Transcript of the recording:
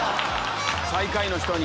最下位の人に。